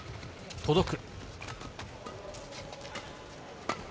届く。